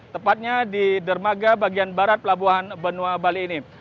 tepatnya di dermaga bagian barat pelabuhan benoa bali ini